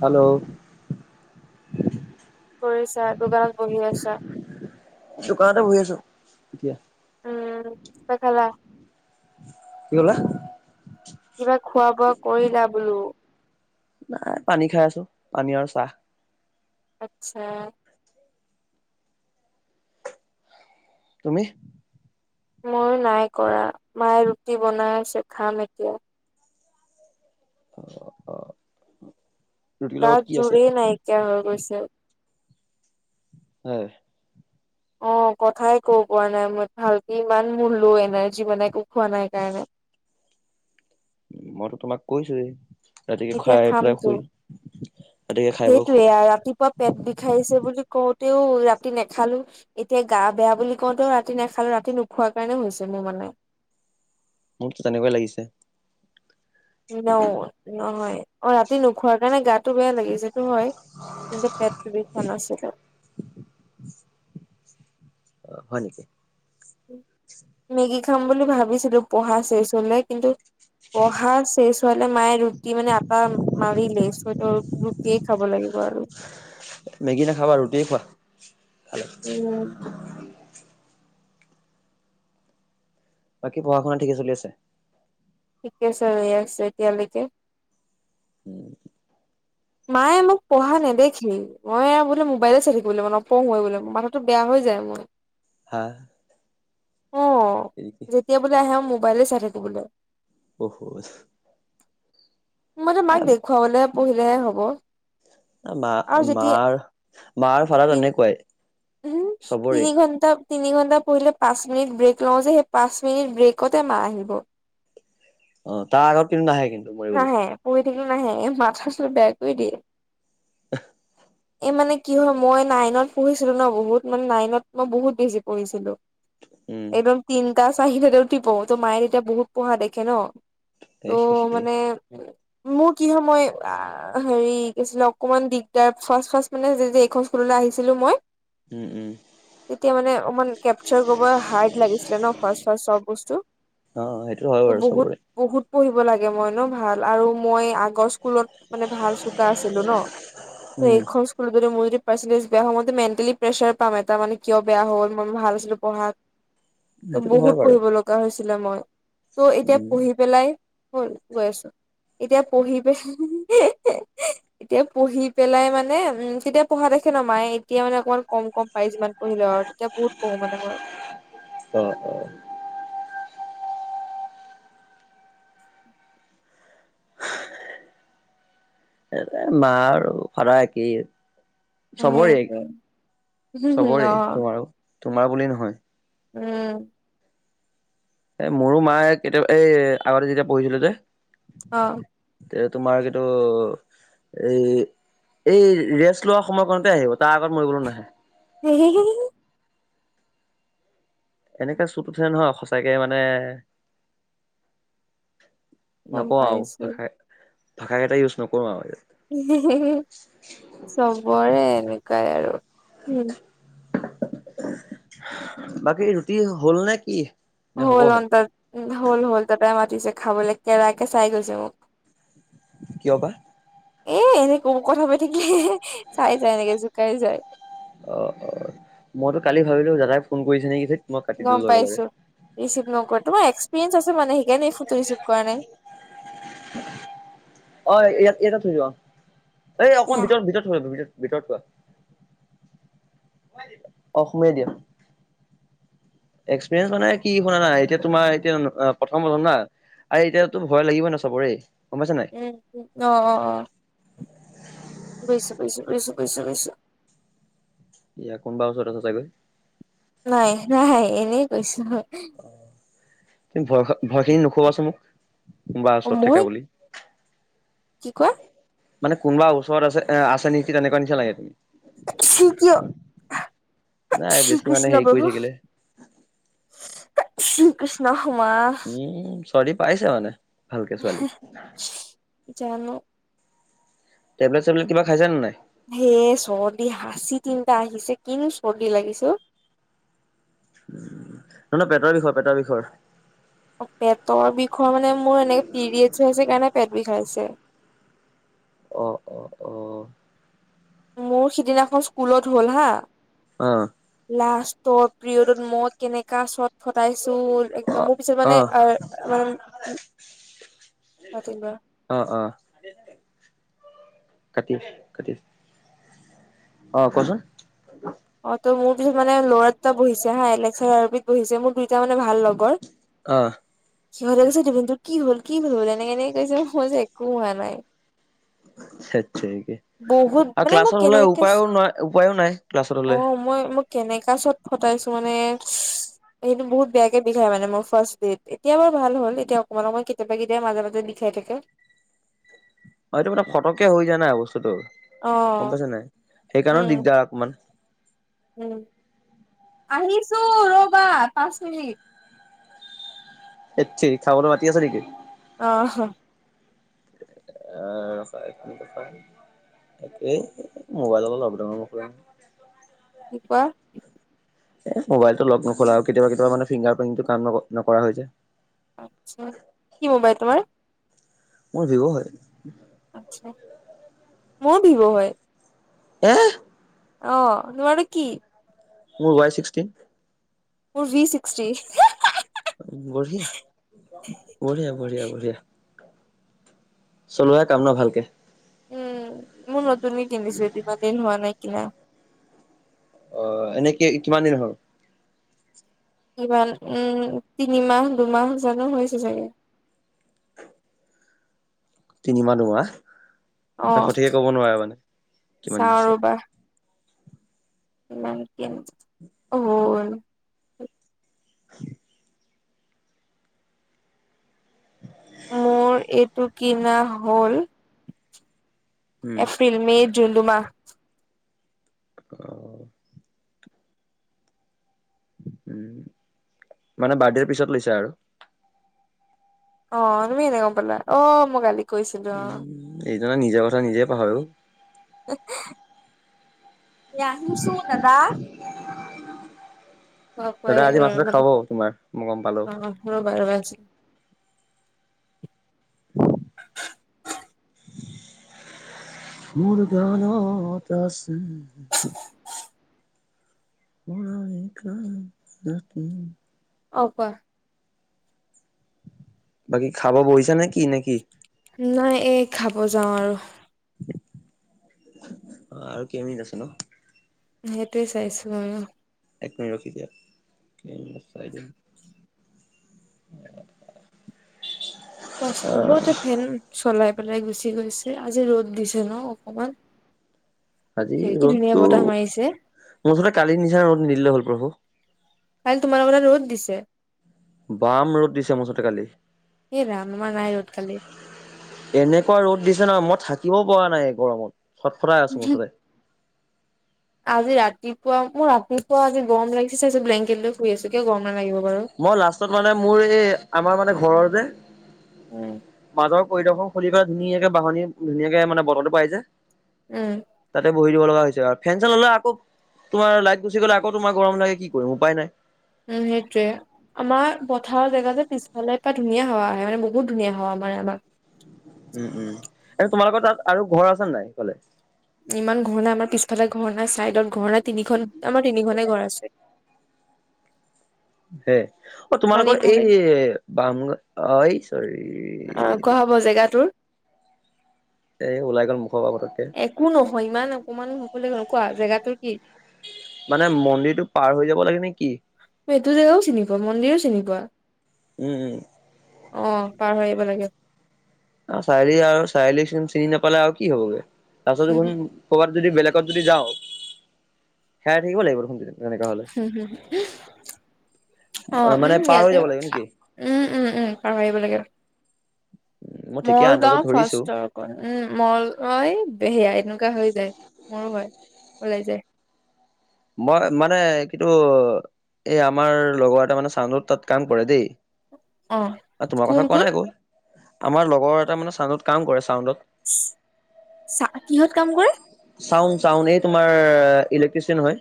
Hello কৰিছা? দোকানত বহি আছা। দোকানতে বহি আছো এতিয়া। উম চাহ খালা? কি ক'লা? কিবা খোৱা বোৱা কৰিলা বোলো? নাই পানী খাই আছো পানী আৰু চাহ। আচ্ছা। তুমি? মই নাই কৰা মায়ে ৰুটি বনাই চখাম এতিয়া। অ অ। গাত জুৰিই নাইকিয়া হৈ গৈছে। হয়। অ কথাই কব পৰা নাই মই ভালকি ইমান মোৰ লো এনাৰ্জি মানে একো খোৱা নাই কাৰণে। [inaudible] উ মইতো তোমাক কৈছোৱেই ৰাতিকে এতিয়া খাই পেলাই খামতো শুই ৰাতিকে খাই বৈ শু সেইটোয়ে ৰাতিপুৱা পেট বিষাৰিছে বুলি কওঁ। তেও ৰাতি নেখালো এতিয়া গা বেয়া বুলি কওঁতেও ৰাতি নেখালো ৰাতি নোখোৱাৰ কাৰণেও হৈছে নে মানে। [unintelligible] মোৰতো তেনেকুৱাই লাগিছে। ন নহয় অ ৰাতি নোখোৱাৰ কাৰণে গাতটো বেয়া লাগিছেসেইটো হয়। কিন্তু পেতটো বিষ হোৱা নাছিল। অ হয় নেকি। মেগী খাম বুলি ভাবিছিলো পঢ়া চচলৈ কিন্তু। পঢ়া চেই ছোৱালীয়ে মায়ে ৰুটি মানে আটা মাৰিলে ছত ৰুটিয়েই খাব লাগে। দিব আৰু। মেগী নাখাবা ৰুটিয়েই উম খোৱা ভাল। বাকী পঢ়া শুনা ঠিকে চলি আছে। ঠিকেছে ৰৈ আছো এতিয়ালৈকে। উম। মায়ে মোক পঢ়া নেদেখেই মই বোলে মোবাইলে চাই থাকিব বো মানপঢ়োে বোলে মথাটো বেয়া হৈ। য মই। হা। অ এ যেতিয়া বোলে আহে মোবাইলে চাই থাকোবোল। হ হ। মানে মাক দেখুৱাবলে পঢ়িলেহে হব। মা আৰু যেতিয়া মাৰ মাৰ ফালত তেনেকুৱাই। উম চবৰে। তিনি ঘণ্টা। তিনি ঘণ্টা পঢিলে পাঁচ মিনিট ব্ৰেক লওঁ যে সেই পাঁচ মিনিট ব্ৰেকতে মাহ আহিব। অ তাৰ আগত কিন্তু নাহে কিন্তু মৰি গলো। থিল নাহে মাথা চাথা বেয়া কৰি দিয়ে। এই মানে কি হয় মই নাইনত পঢ়িছিলো ন বহুত মানে নাইনত মই বহুত বেছি পঢ়িছিলো। উম একদম তিনটা চাৰিটাতে উঠি পওঁ তো মায়ে তেতিয়া বহুত পঢ়া দেখে ন। ত' এই মানে। মোৰ কি সময় হেৰিছিলে অকমান দিগদাৰ ফাৰ্ছ ফ মানে এইখন স্কুলত। আহিছিলো মই। উম উম। তেতিয়া মানে অকমান কেপচাৰ কৰিব হাৰ্ড লাগিছিলে ন ফাৰ্ষ ফাৰ্ষট চব বস্তু। অ সেইটো হয় বাৰু বহুত চবৰে। বহুত পঢ়িব লাগে মই ন ভাল আৰু মই। আগৰ স্কুলত মানে ভাল চোকা আছিলো ন উম এইখন স্কুলতদি মই যদি। প্ৰেচাৰহ মই মেণ্টেলি প্ৰেচাৰ পাম এটা মানে কিয় বেয়া হ'ল মই ভাল আছিলো পঢ়াত। ত সেইটোতো বহুত হয় বাৰু। পঢ়িব লগা হৈছিলে। মই ত' এতিয়া উম পঢ়ি পেলাই। হ'ল গৈ আছো। এতিয়া পঢ়ি পাই এতিয়া পঢ়ি পেলাই মানে উম তেতিয়া পঢ়াতে। নমাই এতিয়া মানে। অকমান কম কম পাইছ। যিমান পঢ়িলো আৰু তেতিয়া বহুত পঢ়ো মানে মই। অ', অ', এ মা আৰু ফাদা একেই। চবৰে সেইটোৱে চবৰে তোমাৰো তোমাৰ বুলি নহয়। উম। এ মোৰো মায়ে কেতিয়াবা এই আগতে যেতিয়া পঢ়িছিলে যে। অ'। এ তোমাৰ কিটো। এ এই ৰেষ্ট লোৱা সময় কাৰওঁতে আহিব। তাৰ আগত মৰিবলৈ নাহে। হি হি হি। এনেককাে চুত উঠে নহয় সচাককে মানে। গম নকওঁ আৰু পাইছো ভাষা ভাষা কেইটা ইউজ নকৰো আৰু চবৰে এনেকুৱাই আৰু। বাকী ৰুটি হ'ল নে কি? নে হল হ'বহে অ' ত হল হল তাতে মাতিছে। খাবলৈ কেৰাকে চাই গৈছে মোক। কিয় বা এ এনেকো কথা পাই থাকিলে। চাই যায় এনেকে জোকাই যায় অ' অ' মইতো কালি ভাবিলো দাদাই। ফোন কৰিছে নেকি? মই কাটি দিলো গম লগে লগে পাইছো ৰিচি ন মই এক্সপিৰিয়েন্ঞ্চ আছে। মানে সেইকাৰণে এই ফোনটো ৰিচিভ কৰা নাই। এইয়াতে থৈ যোৱা এই অকমান ভিতৰত ভিতৰত থৈ ভিতৰত। ভিতৰত থোৱা অ' সোমাই দিয়া। এক্সপিৰিয়েঞ্চ মানে কি শুনা নাই এতিয়া তোমাৰ এতিয়া প্ৰথম প্ৰথম না আ এতিয়াতো ভয় লাগিবই ন চাবৰে। উম উ অ' অ' বুজিছো বুজিছো বুজিছো বুজিছো বুজিছো। এয়া কোনোবা ওচৰত আছে চাগৈ। নাই নাই এনেই কৈছো। ভয় ভয়খিনি নুখবাচ মোক কোনোবাৰ ওচৰত মই থাককা বুলি। কি কোৱা? মানে কোনোবা ওচৰত আছে আছে। তেনেকুৱা নিচিনা লাগে তুমি। শ্ৰী নাই বেছি মানে কৃষ্ণ হেৰি কৰি প্ৰভু। থাকিলে শ্ৰী কৃষ্ণ মা উম চৰ্দি পাইছে মানে ভালকে ছোৱালী জানো টেবলেট চেবলেট কিবা খাইছা নে নাই? হে চৰ্দি হাঁচি তিনিটা আহিছে। কিন চৰ্দি লাগিছে অ'। নহ নহয় পেটৰ বিষৰ পেটৰ বিষৰ পেটৰ বিষৰ মানে মোৰ এনে পিৰিয়েছ হৈছে কাৰণে পেট বিষ আছে। [unintelligible] অ' অ' অ' মোৰ সিদিনাখন স্কুলত হ'ল হা। অ' লাষ্টৰ পিৰিয়ডত মই কেনেকা চ ফটাইছো একদম মোৰ পিছত মানে অ' মানে। অঁ অঁ কাটি দে কাটি দে অ কচোন অ ত' মোৰ পিছত মানে ল'ৰাটা বহিছে হা এলেক্সা আৰবিত বহিছে মোৰ দুইটা মানে ভাল লগৰ অ', [unintelligible] সিহঁতে কৈছে দুপিন তোৰ কি হল কি হ'ল এনেক কেনেক কৈছে মই যে [unintelligible] কোৱা নাই ঠেতৰিগি বহুত আৰু মানে মই ক্লাছত হলে কেনেকে উপায়ো ন উপায়ো নাই ক্লাছত অ হ'লে। মই মই কেনেকা চত ফটাইছো মানে সেইটো বহুত বেয়াকে বিষাই মানে মোৰ ফাষ্ট পিৰিয়ড এতিয়া ভাল হল এতিয়া অকণমান অকণমান কেতিয়াবা কেতিয়াবা মাজে মাজে বি [unintelligible] বিষায় থাকে হয় এইটো মানে ফটকে হৈ যায় নাই বস্তুতটো অ [unintelligible] গম পাইছে নাই সেইকাৰণেও উম দিগদাৰ অকমান উম আহিছো ৰবা পাঁচ মিনিট এত তেৰি খাবলৈ মাতি আছে নেকি অ হ আ [unintelligible] একেই মোবাইলৰ লকডাউনৰ কি কোৱা এ মোবাইলটো লক নোখোলা আৰু কেতিয়াবা কেতিয়াবা মানে ফিংগাৰ প্ৰিণ্টটো কাম নকৰা হৈ যে অটচ্চা কি মোবাইল তোমাৰ মোৰ ভিব' হয় আটচ্চা মোৰো ভিব হয় এ অ তোমাৰ কি মোৰ ৱাই ছিক্সটিন মোৰ ভি ছিক্সটি [unintelligible] বঢ়িয়া বঢিয়া বঢ়িয়া বঢ়িয়া চলোৱাই কাম ন ভালকে উম মোৰ নতুনকে কিনিছো ইমান দিন হোৱা নাই কিনা অ এনে কিমান দিন হল ইমান উম তিনিমাহ দুমাহ জানো হৈছে চাগে [inaudible] তিনিমাহ দুমাহ অ সঠিকে ক'ব নোৱাৰে মানে কিমান দিন হৈছে নাইকিয়া অ হ [inaudible] মোৰ এইটো কিনা হ'ল উম এপ্ৰিল মে দুমাহ অ উ মানে বাৰ্থডে পিছত লৈছা আৰু অ তুমি এনে গম পালা অ মই গালি উ এইজনা নিজৰ কথা নিজে পাহৰে অ ইয়া নিছো দাদা দাদা আজি মাথাটো খাব তোমাৰ মই গম পালো ৰবা ৰবা এক ছে মোৰ গানত আছে অনামিকা ৰাতি [unintelligible] অ কোৱা বাকী খাব বহিছা নে কি নেকি নাই এই খাব যাওঁ আৰু অ আৰু কেই মিনিট আছে নো সেইটোৱেই চাইছো মইয়ো ৰখি দিয়া চবতে ফেন চলাই পেলাই গুচি গৈছে আজি ৰ'দ দিছে ন অকমান? আজি কি ধুনীয়া ৰ'দটো বতাহ মাৰিছে মুঠতে কালিৰ নিচিনা ৰ'দ নিদিলে হ'ল প্ৰভু কালি তোমালোকৰ তাত ৰ'দ দিছে বাম ৰ'দ দিছে মুঠতে কালি এ ৰাম আমাৰ নাই ৰ'দ কালি এনেকুৱা ৰ'দ দিছে ন মই থাকিব পৰা নাই গৰমত চটফটাই আছো মুঠতে আজি ৰাতিপুৱা মোৰ ৰাতিপুৱা আজি গৰম লাগিছে ব্লেং মই লাষ্টত মানে মোৰ এই আমাৰ মানে ঘৰৰ যে উম। ৰ পৰিদৰ্শন খুলি পেলাই ধুনীয়াকে বাহনী ধুনীয়াকে মানে বতাহটো পাই যায় উম বহি দিব লগা হৈছে আৰু, ফেন চেন ল'লে আকৌ তোমাৰ লাইট গুচি গ'লে আকৌ তোমাৰ গৰম লাগে কি কৰিম উপায় নাই। উম সেইটোৱে আমাৰ পথাৰৰ জেগা যে পিছফালে পৰা ধুনীয়া হাৱা আহে মানে বহুত ধুনীয়া হাৱা মানে আমাৰ উম উম আৰু তোমালোকৰ তাত আৰু ঘৰ আছে নাই সেইফালে ইমান ঘৰ নাই আমাৰ পিছফালে ঘৰ নাই চাইডত ঘৰ নাই তিনিখন আমাৰ তিনিখনে ঘৰ আছে। হে অ মানে তোমালোকৰ ইফালে এই বাম অ এই চৰি অ কোৱা হব জেগা তোৰ এ ওলাই গ'ল মোক একো নহয় ইমান অকমান হকললে ন কোৱা জেগাটোৰ কি মানে মন্দিৰটো পাৰ হৈ যাব লাগে নে কি? এইটো জেগাও চিনি পোৱা মন্দিৰো চিনি পোৱা উম উম অ পাৰ হৈ আহিব লাগে। চাৰিআলি আৰু চাৰিলি চিনি নাপালে আৰু কি হবগে, উম তাৰপিছতোন ক'ৰবাত যদি বেলেগ যদি যাওঁ হেৰাই থাকিব লাগিব দেখোন তেনেকা হলে হম হুম হ অ মানে উম পাৰ হৈ ইয়াতে যাব লাগিব নেকি? উম উম উম পাৰ হৈ আহিব লাগে। মই ঠিকে আন্দাজত মলগাও ধৰিছো ফাৰ্ষ্ট উম মলগাঁৱ হেয়া এনেকুৱা হৈ যায় মোৰ হয় ওলাই যায় মই মানে কিন্তু এই আমাৰ লগৰ এটা মানে চাইদত তাত কাম কৰে দেই অ তোমাৰ কোন কথা কোৱা কোন নাই একো, আমাৰ লগৰ এটা মানে চাউডত কাম কৰে চাউডত চা কিহত কাম কৰে? চাউণ্ড চাউণ্ড এই তোমাৰ ইলেক্ট্ৰিচিয়ান হয়।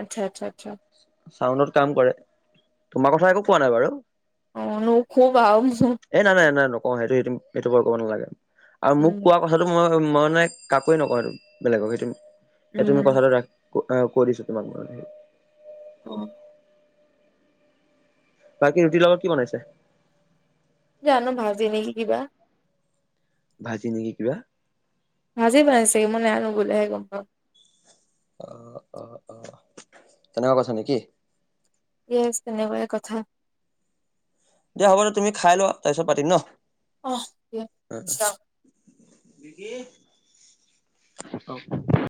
আচ্ছা আচ্ছা আচ্ছা চাউণ্ডত কাম কৰে, তোমাৰ কথা একো কোৱা নাই বাৰু অ নোখোবা উম এ নাই নাই নাই নকওঁ সেইটো সেইটো নালাগে আৰু মোক কোৱা কথাটো মই মই মানে নাই কাকো নকওঁ এই বেলেগক সেইটো। এ তুমি উম কথাটো ৰাখ কৈ দিছো তোমাক ম [unintelligible] অ বাকী ৰুটি লগত কি বিনাইছ জানো ভাজি নেকি কিবা ভাজি নেকি কিবা ভাজি বনাইছে মই বনোৱা গলে হে গম পাম অ', অ', অ তেনেকুৱা কথা নেকি? ইয়েছ তেনেকুৱাই কথা। দিয়া হ'ব দিয়া তুমি খাই লোৱা তাৰ পিছত পাতিম ন? অ দিয়া কি অ [unintelligible]